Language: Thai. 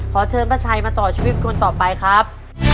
ขอเชิญป้าชัยมาต่อชีวิตเป็นคนต่อไปครับ